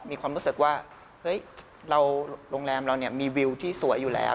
มีความรู้สึกว่าเฮ้ยโรงแรมเรามีวิวที่สวยอยู่แล้ว